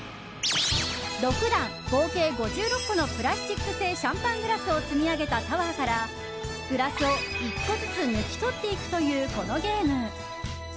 ６段、合計５６個のプラスチック製シャンパングラスを積み上げたタワーからグラスを１個ずつ抜き取っていくというこのゲーム。